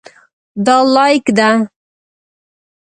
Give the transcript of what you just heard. دا لاییک ده.